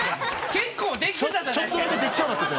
結構できてたじゃないですか。